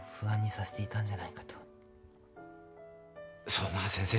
そんな先生。